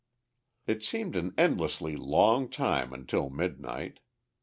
It seemed an endlessly long time until midnight.